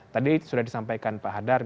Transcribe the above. tadi sudah disampaikan pak hadar